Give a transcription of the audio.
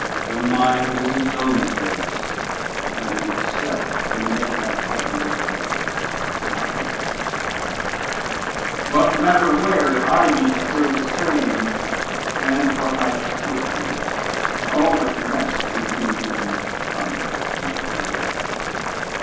The mind is its own place, and in it self Can make a Heav'n of Hell, a Hell of Heav'n. What matter where, if I be still the same, And what I should be, all but less then hee Whom Thunder hath made greater?